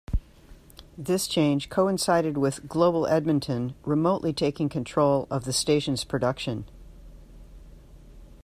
This change coincided with Global Edmonton remotely taking control of the station's production.